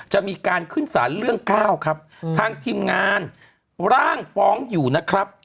จะมีการขึ้นสารเรื่อง๙ครับทางทีมงานร่างฟ้องอยู่นะครับ